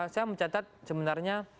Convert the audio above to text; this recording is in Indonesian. saya mencatat sebenarnya